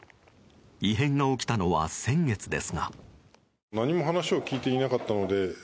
異変が起きたのは先月ですが。